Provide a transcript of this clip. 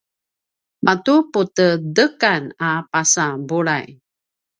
matu putedekan a pasa bulay